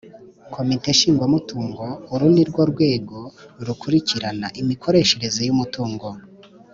Komite Nshingwamutungo uru ni rwo rwego rukurikirana imikoreshereze y’umutungo